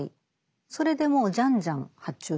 それでもうじゃんじゃん発注してたという。